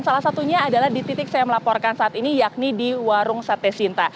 salah satunya adalah di titik saya melaporkan saat ini yakni di warung sate sinta